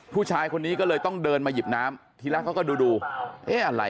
ผู้ชายคนนี้ก็เลยต้องเดินมาหยิบน้ำทีแรกเขาก็ดูดูเอ๊ะอะไร